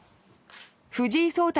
藤井聡太